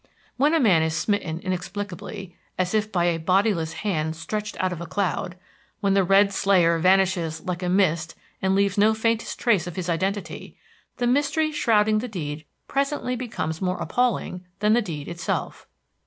When a man is smitten inexplicably, as if by a bodiless hand stretched out of a cloud, when the red slayer vanishes like a mist and leaves no faintest trace of his identity, the mystery shrouding the deed presently becomes more appalling than the deed itself.